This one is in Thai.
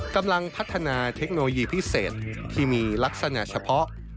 กำลังพัฒนาเทคโนโลยีพิเศษที่มีลักษณะเฉพาะ